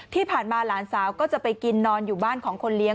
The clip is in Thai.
ที่ผ่านมาหลานสาวก็จะไปกินนอนอยู่บ้านของคนเลี้ยง